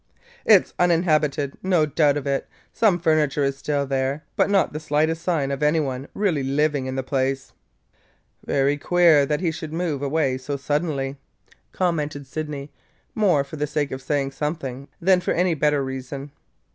"It 's uninhabited; no doubt of it. Some furniture is there still, but not the slightest sign of any one really living in the place." "Very queer that he should move away so suddenly!" commented Sydney, more for the sake of saying something than for any better reason.